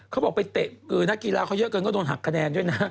เค้าบอกไปเตะนักกีฬาเค้าเยอะเกินก็ได้หักคะแนน